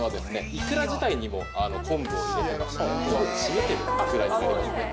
いくら自体にも昆布を入れてまして締める味わいになりますね。